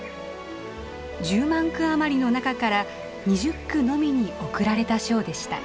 １０万句余りの中から２０句のみに贈られた賞でした。